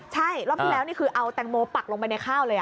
ใช่รอบที่แล้วนี่คือเอาแตงโมปักลงไปในข้าวเลย